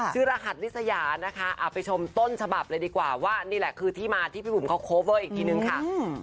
รหัสลิสยานะคะเอาไปชมต้นฉบับเลยดีกว่าว่านี่แหละคือที่มาที่พี่บุ๋มเขาโคเวอร์อีกทีนึงค่ะ